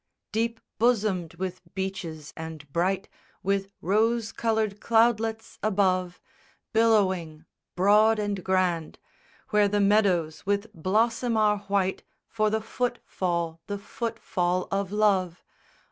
_ V Deep bosomed with beeches and bright With rose coloured cloudlets above; Billowing broad and grand Where the meadows with blossom are white For the foot fall, the foot fall of Love.